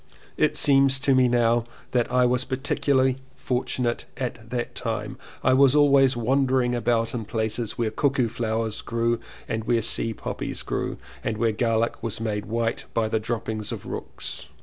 It seems to me now that I was particular ly fortunate at that time. I was always wandering about in places where cuckoo flowers grew and where sea poppies grew and where garlic was made white by the 222 LLEWELLYN POWYS droppings of rooks.